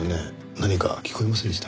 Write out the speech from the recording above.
何か聞こえませんでした？